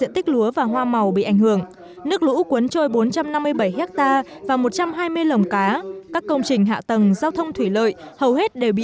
trong năm mươi bảy hectare và một trăm hai mươi lồng cá các công trình hạ tầng giao thông thủy lợi hầu hết đều bị